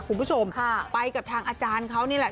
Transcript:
คุณผู้ชมไปกับทางอาจารย์เขานี่แหละ